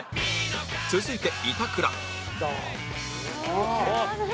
続いて板倉来た。